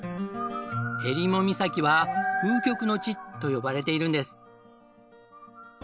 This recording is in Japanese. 襟裳岬は風極の地と呼ばれているんです。